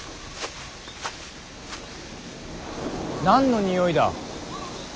何のにおいだ。